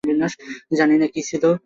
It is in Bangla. জানি না কী ছিল।